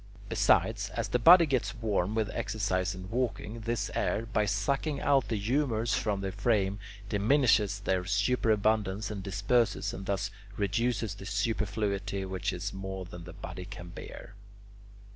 Besides, as the body gets warm with exercise in walking, this air, by sucking out the humours from the frame, diminishes their superabundance, and disperses and thus reduces that superfluity which is more than the body can bear.